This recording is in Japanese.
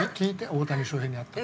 「大谷翔平に会った事」。